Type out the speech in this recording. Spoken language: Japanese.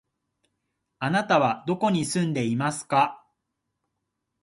あなたはどこに住んでいますか？